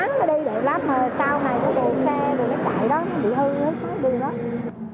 nó bị hư hết